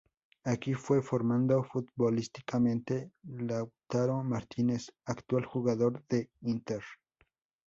Aquí fue formado futbolísticamente Lautaro Martínez, actual jugador de Inter.